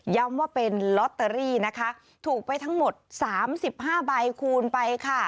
ว่าเป็นลอตเตอรี่นะคะถูกไปทั้งหมดสามสิบห้าใบคูณไปค่ะ